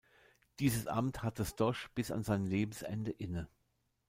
Dieses Amt hatte Stosch bis an sein Lebensende inne.